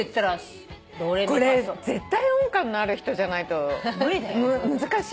これ絶対音感のある人じゃないと難しいよ。